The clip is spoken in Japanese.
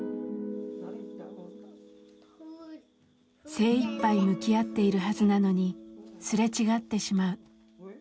精いっぱい向き合っているはずなのにすれ違ってしまう。